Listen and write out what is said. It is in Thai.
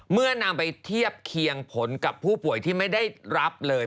นำไปเทียบเคียงผลกับผู้ป่วยที่ไม่ได้รับเลย